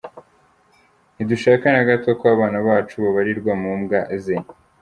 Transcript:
Ntidushaka na gato ko abana bacu babarirwa mu mbwa ze.